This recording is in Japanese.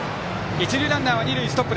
一塁ランナーは二塁でストップ。